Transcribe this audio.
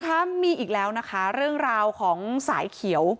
คะมีอีกแล้วนะคะเรื่องราวของสายเขียว